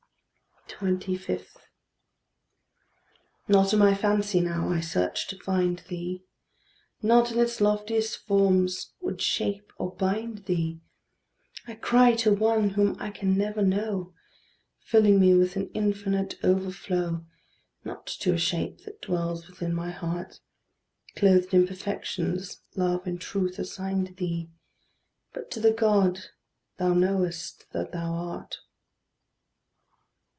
25. Not in my fancy now I search to find thee; Not in its loftiest forms would shape or bind thee; I cry to one whom I can never know, Filling me with an infinite overflow; Not to a shape that dwells within my heart, Clothed in perfections love and truth assigned thee, But to the God thou knowest that thou art.